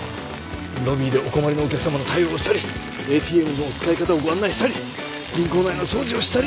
ロビーでお困りのお客様の対応をしたりＡＴＭの使い方をご案内したり銀行内の掃除をしたり。